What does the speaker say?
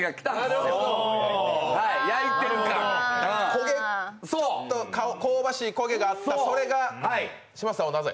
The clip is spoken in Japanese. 焦げ香ばしい焦げがあった、それが嶋佐さんはなぜ？